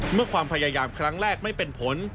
ความพยายามครั้งแรกไม่เป็นผล